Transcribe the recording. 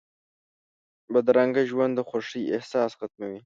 بدرنګه ژوند د خوښۍ احساس ختموي